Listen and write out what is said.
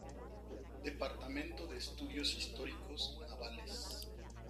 Departamento de Estudios Históricos Navales.